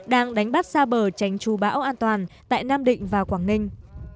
đang đánh bắt xa bờ tránh chú bão an toàn tại nam định và quảng ninh